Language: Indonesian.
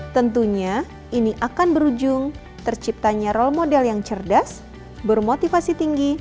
tentunya ini akan berujung terciptanya role model yang cerdas bermotivasi tinggi